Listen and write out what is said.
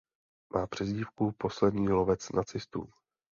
Má přezdívku „poslední lovec nacistů“.